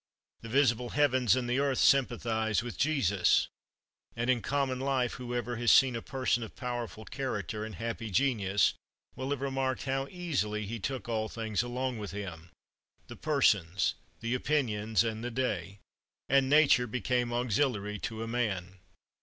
The visible heavens and the earth sympathize with Jesus. And in common life whoever has seen a person of powerful character and happy genius will have remarked how easily he took all things along with him, the persons, the opinions, and the day, and nature became auxiliary to a man."